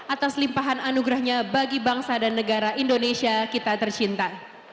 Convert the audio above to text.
atas limpahan anugerahnya bagi bangsa dan negara indonesia kita tercinta